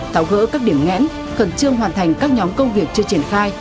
tạo gỡ các điểm ngẽn khẩn trương hoàn thành các nhóm công việc chưa triển khai